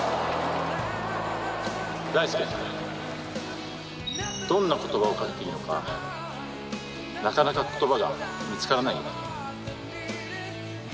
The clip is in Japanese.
大輔、どんなことばをかけていいのか、なかなかことばが見つからないよ。